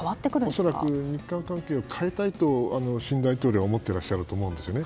恐らく日韓関係を変えたいと新大統領は思っていらっしゃると思うんですね。